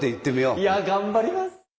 いやぁ頑張ります。